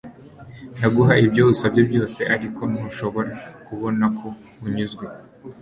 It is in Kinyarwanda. Ndaguha ibyo usabye byose ariko ntushobora kubona ko unyuzwe